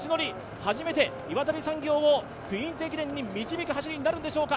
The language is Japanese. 初めて岩谷産業を「クイーンズ駅伝」に導く走りになるのでしょうか。